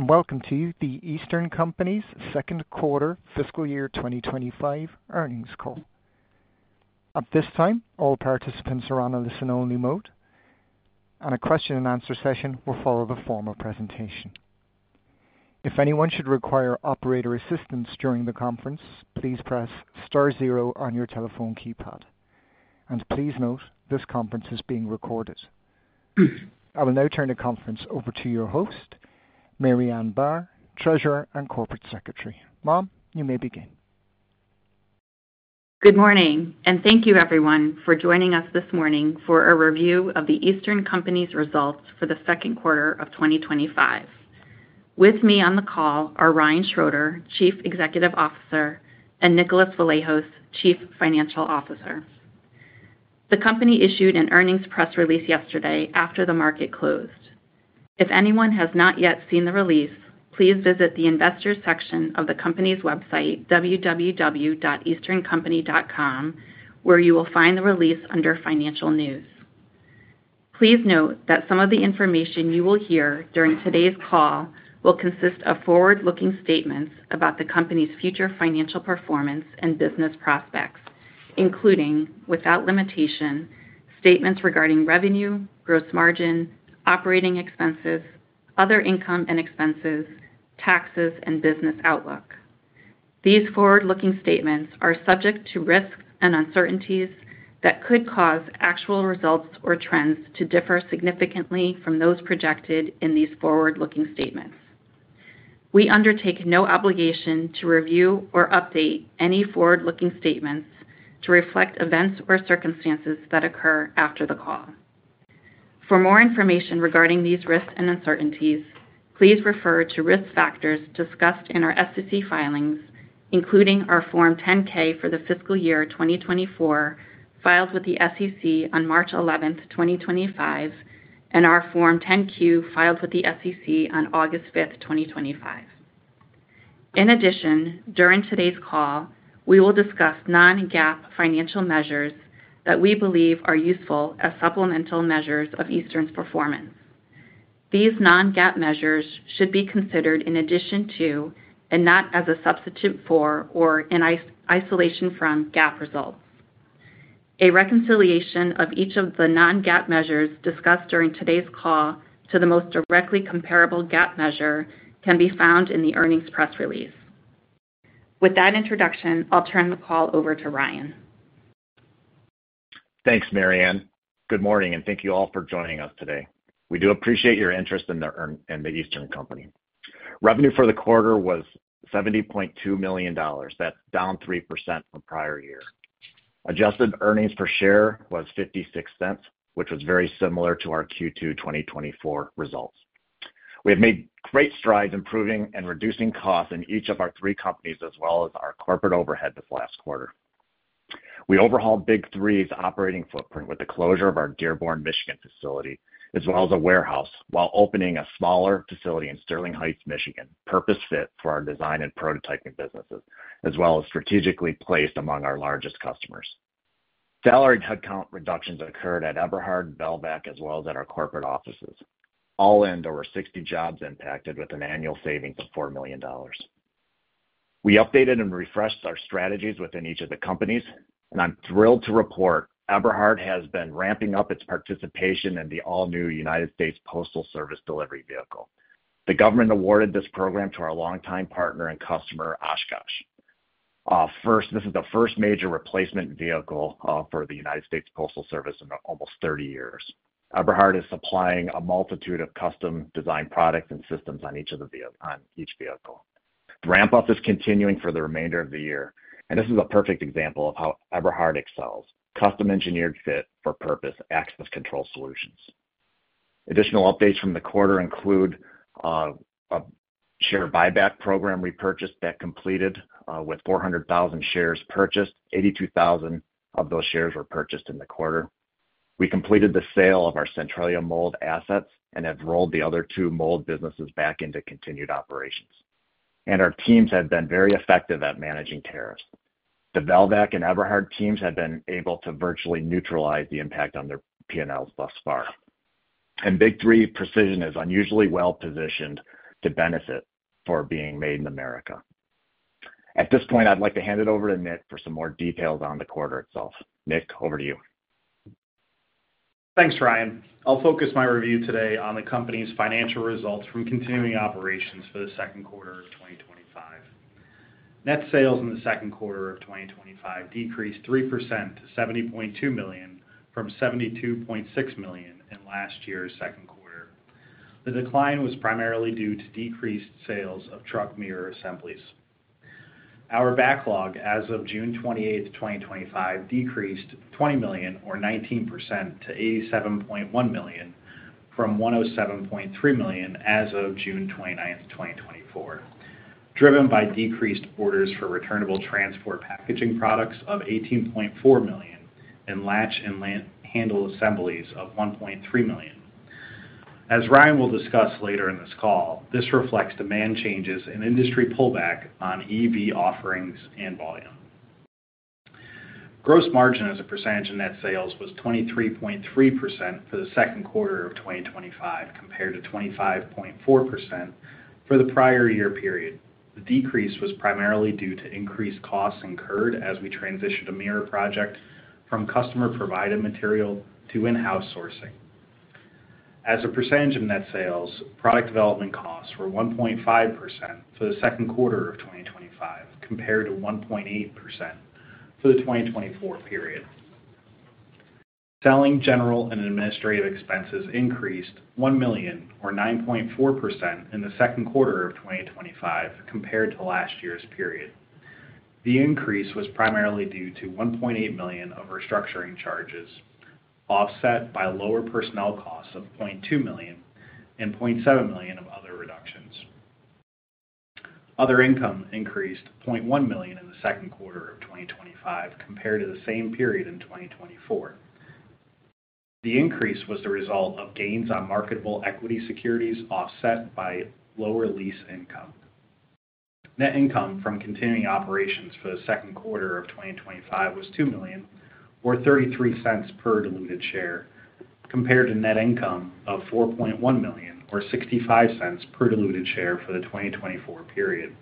Welcome to The Eastern Company's Second Quarter Fiscal Year 2025 Earnings Call. At this time, all participants are on a listen-only mode, and a question-and-answer session will follow the formal presentation. If anyone should require operator assistance during the conference, please press star zero on your telephone keypad. Please note, this conference is being recorded. I will now turn the conference over to your host, Marianne Barr, Treasurer and Corporate Secretary. Ma'am, you may begin. Good morning, and thank you, everyone, for joining us this morning for a review of The Eastern Company's results for the second quarter of 2025. With me on the call are Ryan Schroeder, Chief Executive Officer, and Nicholas Vlahos, Chief Financial Officer. The company issued an earnings press release yesterday after the market closed. If anyone has not yet seen the release, please visit the Investors section of the company's website, www.easterncompany.com, where you will find the release under Financial News. Please note that some of the information you will hear during today's call will consist of forward-looking statements about the company's future financial performance and business prospects, including, without limitation, statements regarding revenue, gross margin, operating expenses, other income and expenses, taxes, and business outlook. These forward-looking statements are subject to risks and uncertainties that could cause actual results or trends to differ significantly from those projected in these forward-looking statements. We undertake no obligation to review or update any forward-looking statements to reflect events or circumstances that occur after the call. For more information regarding these risks and uncertainties, please refer to risk factors discussed in our SEC filings, including our Form 10-K for the fiscal year 2024 filed with the SEC on March 11th, 2025, and our Form 10-Q filed with the SEC on August 5th, 2025. In addition, during today's call, we will discuss non-GAAP financial measures that we believe are useful as supplemental measures of Eastern's performance. These non-GAAP measures should be considered in addition to and not as a substitute for or in isolation from GAAP results. A reconciliation of each of the non-GAAP measures discussed during today's call to the most directly comparable GAAP measure can be found in the earnings press release. With that introduction, I'll turn the call over to Ryan. Thanks, Marianne. Good morning, and thank you all for joining us today. We do appreciate your interest in The Eastern Company. Revenue for the quarter was $70.2 million. That's down 3% from prior year. Adjusted earnings per share was $0.56, which was very similar to our Q2 2024 results. We have made great strides improving and reducing costs in each of our three companies, as well as our corporate overhead this last quarter. We overhauled Big 3's operating footprint with the closure of our Dearborn, Michigan facility, as well as a warehouse, while opening a smaller facility in Sterling Heights, Michigan, purpose-fit for our design and prototyping businesses, as well as strategically placed among our largest customers. Salary and headcount reductions occurred at Eberhard, Velvac, as well as at our corporate offices. All in, over 60 jobs impacted with an annual savings of $4 million. We updated and refreshed our strategies within each of the companies, and I'm thrilled to report Eberhard has been ramping up its participation in the all-new United States Postal Service delivery vehicle. The government awarded this program to our longtime partner and customer, Oshkosh. This is the first major replacement vehicle for the United States Postal Service in almost 30 years. Eberhard is supplying a multitude of custom-designed products and systems on each vehicle. Ramp-up is continuing for the remainder of the year, and this is a perfect example of how Eberhard excels. Custom-engineered fit for purpose access control solutions. Additional updates from the quarter include a share buyback program we purchased that completed with 400,000 shares purchased. 82,000 of those shares were purchased in the quarter. We completed the sale of our Centralia mold assets and have rolled the other two mold businesses back into continued operations. Our teams have been very effective at managing tariffs. The Velvac and Eberhard teams have been able to virtually neutralize the impact on their P&Ls thus far. Big 3 Precision is unusually well positioned to benefit for being made in America. At this point, I'd like to hand it over to Nick for some more details on the quarter itself. Nick, over to you. Thanks, Ryan. I'll focus my review today on the company's financial results from continuing operations for the second quarter of 2025. Net sales in the second quarter of 2025 decreased 3% to $70.2 million from $72.6 million in last year's second quarter. The decline was primarily due to decreased sales of truck mirror assemblies. Our backlog as of June 28th, 2025, decreased $20 million, or 19%, to $87.1 million from $107.3 million as of June 29th, 2024, driven by decreased orders for returnable transport packaging products of $18.4 million and latch and handle assemblies of $1.3 million. As Ryan will discuss later in this call, this reflects demand changes and industry pullback on EV offerings and volume. Gross margin as a percentage of net sales was 23.3% for the second quarter of 2025 compared to 25.4% for the prior year period. The decrease was primarily due to increased costs incurred as we transitioned a mirror project from customer-provided material to in-house sourcing. As a percentage of net sales, product development costs were 1.5% for the second quarter of 2025 compared to 1.8% for the 2024 period. Selling, general and administrative expenses increased $1 million, or 9.4%, in the second quarter of 2025 compared to last year's period. The increase was primarily due to $1.8 million of restructuring charges, offset by lower personnel costs of $0.2 million and $0.7 million of other reductions. Other income increased $0.1 million in the second quarter of 2025 compared to the same period in 2024. The increase was the result of gains on marketable equity securities offset by lower lease income. Net income from continuing operations for the second quarter of 2025 was $2 million, or $0.33 per diluted share, compared to net income of $4.1 million, or $0.65 per diluted share for the 2024 period.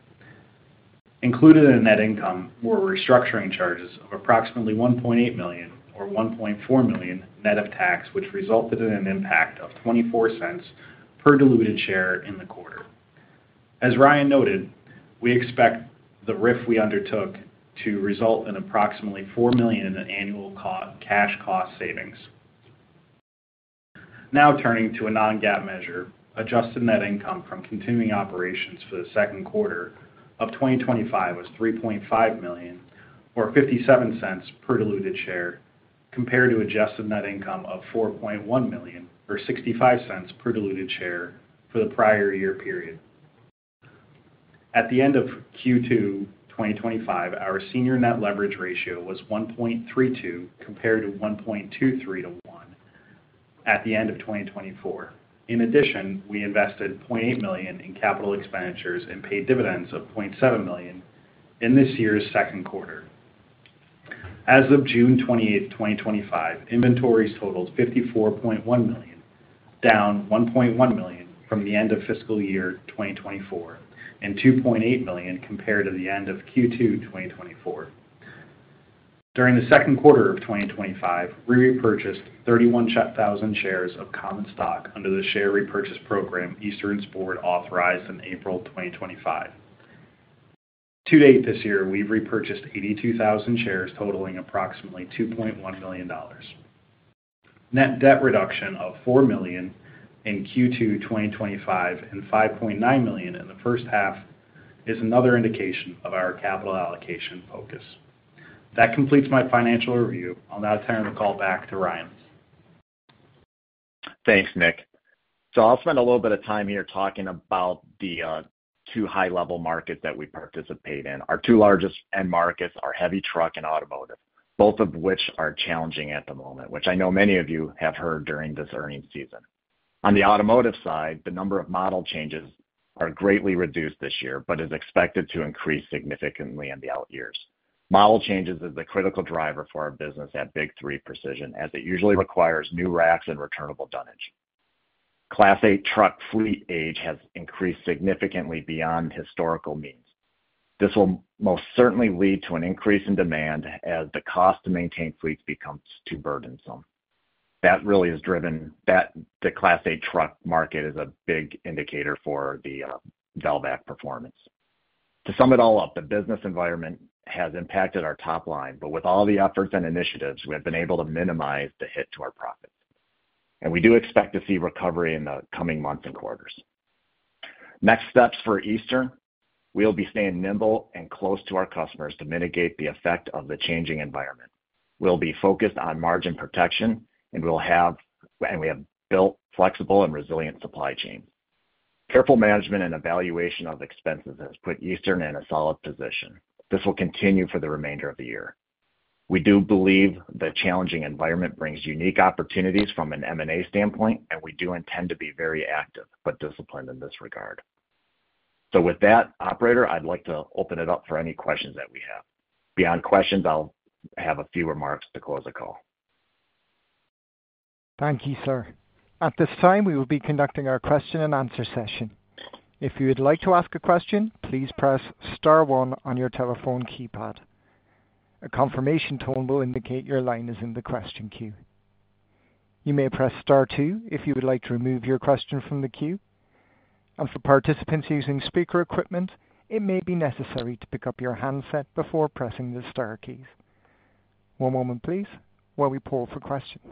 Included in net income were restructuring charges of approximately $1.8 million or $1.4 million net of tax, which resulted in an impact of $0.24 per diluted share in the quarter. As Ryan noted, we expect the RIF we undertook to result in approximately $4 million in annual cash cost savings. Now turning to a non-GAAP measure, adjusted net income from continuing operations for the second quarter of 2025 was $3.5 million or $0.57 per diluted share compared to adjusted net income of $4.1 million or $0.65 per diluted share for the prior year period. At the end of Q2 2025, our senior net leverage ratio was 1.32x compared to 1.23x to 1 at the end of 2024. In addition, we invested $0.8 million in capital expenditures and paid dividends of $0.7 million in this year's second quarter. As of June 28, 2025, inventories totaled $54.1 million, down $1.1 million from the end of fiscal year 2024 and $2.8 million compared to the end of Q2 2024. During the second quarter of 2025, we repurchased 31,000 shares of common stock under the share repurchase program Eastern's board authorized in April 2025. To date this year, we've repurchased 82,000 shares totaling approximately $2.1 million. Net debt reduction of $4 million in Q2 2025 and $5.9 million in the first half is another indication of our capital allocation focus. That completes my financial review. I'll now turn the call back to Ryan. Thanks, Nick. I'll spend a little bit of time here talking about the two high-level markets that we participate in. Our two largest end markets are heavy truck and automotive, both of which are challenging at the moment, which I know many of you have heard during this earnings season. On the automotive side, the number of model changes are greatly reduced this year, but is expected to increase significantly in the out years. Model changes are the critical driver for our business at Big 3 Precision, as it usually requires new racks and returnable dunnage. Class 8 truck fleet age has increased significantly beyond historical means. This will most certainly lead to an increase in demand as the cost to maintain fleets becomes too burdensome. That really is driven that the Class 8 truck market is a big indicator for the Velvac performance. To sum it all up, the business environment has impacted our top line, but with all the efforts and initiatives, we have been able to minimize the hit to our profits. We do expect to see recovery in the coming months and quarters. Next steps for Eastern, we'll be staying nimble and close to our customers to mitigate the effect of the changing environment. We'll be focused on margin protection, and we have built flexible and resilient supply chains. Careful management and evaluation of expenses has put Eastern in a solid position. This will continue for the remainder of the year. We do believe the challenging environment brings unique opportunities from an M&A standpoint, and we do intend to be very active but disciplined in this regard. With that, operator, I'd like to open it up for any questions that we have. Beyond questions, I'll have a few remarks to close the call. Thank you, sir. At this time, we will be conducting our question-and-answer session. If you would like to ask a question, please press star one on your telephone keypad. A confirmation tone will indicate your line is in the question queue. You may press star two if you would like to remove your question from the queue. For participants using speaker equipment, it may be necessary to pick up your handset before pressing the star keys. One moment, please, while we poll for questions.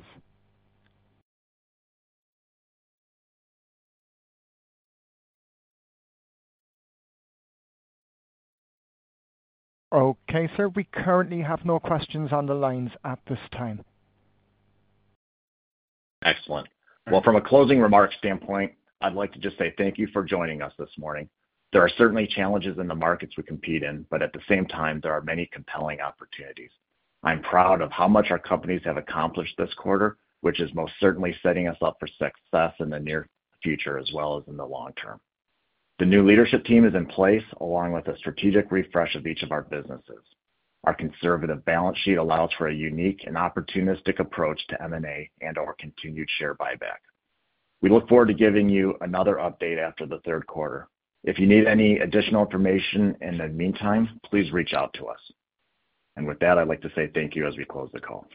Okay, sir, we currently have no questions on the lines at this time. Excellent. From a closing remarks standpoint, I'd like to just say thank you for joining us this morning. There are certainly challenges in the markets we compete in, but at the same time, there are many compelling opportunities. I'm proud of how much our companies have accomplished this quarter, which is most certainly setting us up for success in the near future as well as in the long term. The new leadership team is in place, along with a strategic refresh of each of our businesses. Our conservative balance sheet allows for a unique and opportunistic approach to M&A and/or continued share buyback. We look forward to giving you another update after the third quarter. If you need any additional information in the meantime, please reach out to us. I'd like to say thank you as we close the call.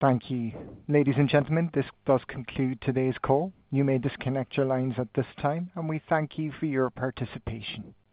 Thank you. Ladies and gentlemen, this does conclude today's call. You may disconnect your lines at this time, and we thank you for your participation.